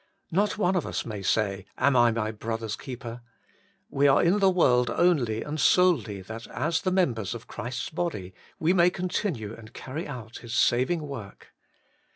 Not one of us may say, ' Am I my brother's keeper ?' We are in the world only and solely that as the members of Christ's body we may continue and carry out His saving work.